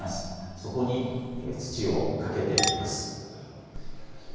そこに土をかけていきます。